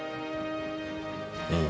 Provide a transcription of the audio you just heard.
うん？